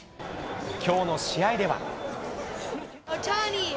きょうの試合では。